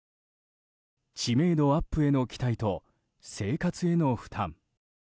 知名度アップへの期待と生活への負担。